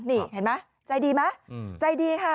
นี่เห็นมั้ยใจดีมั้ยใจดีค่ะ